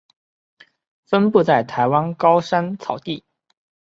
分布在台湾高山草地。